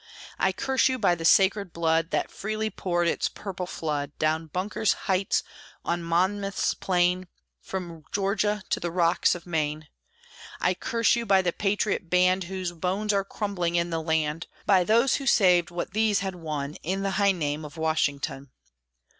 I curse you, by the sacred blood That freely poured its purple flood Down Bunker's heights, on Monmouth's plain, From Georgia to the rocks of Maine! I curse you, by the patriot band Whose bones are crumbling in the land! By those who saved what these had won In the high name of Washington!"